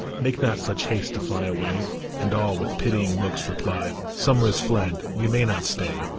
Make not such haste to fly away !" And all, with pitying looks, reply :" Summer is fled ; we may not stay.